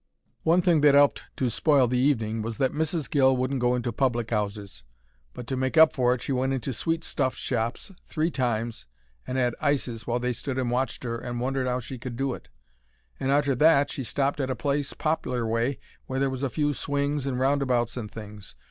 One thing that 'elped to spoil the evening was that Mrs. Gill wouldn't go into public'ouses, but to make up for it she went into sweet stuff shops three times and 'ad ices while they stood and watched 'er and wondered 'ow she could do it. And arter that she stopped at a place Poplar way, where there was a few swings and roundabouts and things.